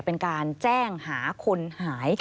เป็นการแจ้งหาคนหาย